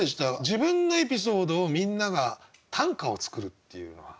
自分のエピソードをみんなが短歌を作るっていうのは。